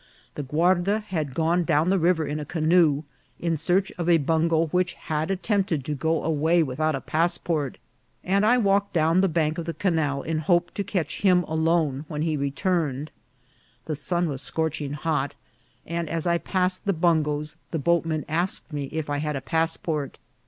The guarda had gone down the river in a canoe, in search of a bungo which had attempted to go away without a passport ; and I walked down the bank of the canal in hope to catch him alone when he returned. The sun was scorching hot, and as I passed the bungoes the boatmen asked me if I had a passport.